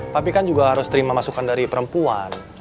tapi kan juga harus terima masukan dari perempuan